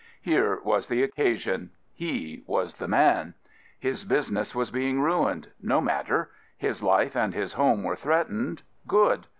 Here was the occasion : he was the man. His business was being ruined : no matter. His life and his home were threatened: good.